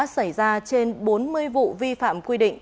xảy ra trên bốn mươi vụ vi phạm quy định